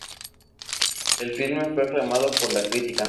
El filme fue aclamado por la crítica.